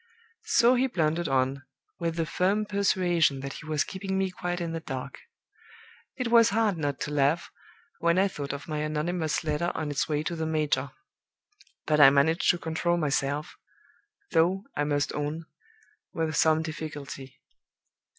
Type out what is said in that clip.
So he blundered on, with the firm persuasion that he was keeping me quite in the dark. It was hard not to laugh, when I thought of my anonymous letter on its way to the major; but I managed to control myself though, I must own, with some difficulty.